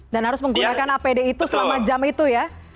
dan harus menggunakan apd itu selama jam itu ya